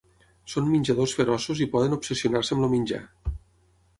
Són menjadors feroços i poden obsessionar-se amb el menjar.